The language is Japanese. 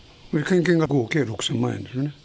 献金が合計６０００万円ですよね。